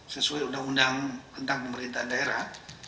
sesuai undang undang tentang pemerintahan daerah